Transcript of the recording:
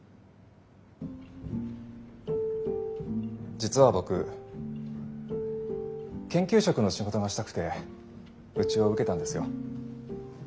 実は僕研究職の仕事がしたくてうちを受けたんですよ。